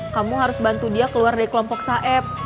kamu harus bantu dia keluar dari kelompok saib